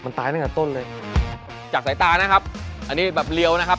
มันตายตั้งแต่ต้นเลยจากสายตานะครับอันนี้แบบเรียวนะครับ